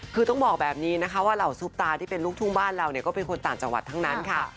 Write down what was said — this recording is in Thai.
คือต้องบอกแบบนี้นะคะว่าเหล่าซุปตาที่เป็นลูกทุ่งบ้านเราก็เป็นคนต่างจังหวัดทั้งนั้นค่ะ